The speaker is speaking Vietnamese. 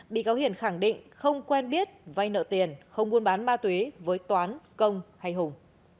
bị cáo hiền khẳng định không quen biết vay nợ tiền không buôn bán ma túy với toán công hay hùng